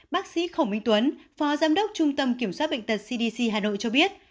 bác sĩ khổng minh tuấn phó giám đốc trung tâm kiểm soát bệnh tật cdc hà nội cho biết